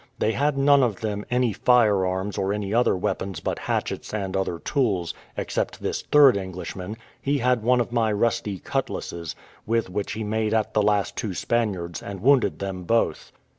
They had none of them any firearms or any other weapons but hatchets and other tools, except this third Englishman; he had one of my rusty cutlasses, with which he made at the two last Spaniards, and wounded them both.